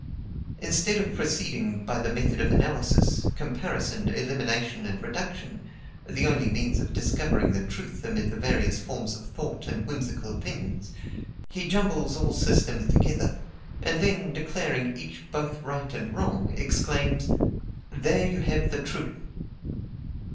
Instead of proceeding by the method of analysis, comparison, elimination, and reduction (the only means of discovering the truth amid the various forms of thought and whimsical opinions), he jumbles all systems together, and then, declaring each both right and wrong, exclaims: "There you have the truth."